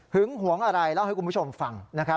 หึงหวงอะไรลองให้คุณผู้ชมฟัง